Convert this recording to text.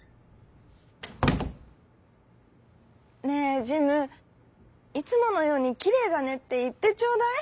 「ねえジムいつものように『きれいだね』っていってちょうだい。